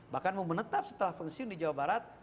bahkan mau menetap setelah pensiun di jawa barat